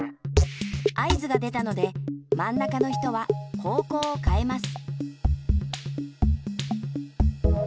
合図がでたのでまん中の人は方こうをかえます。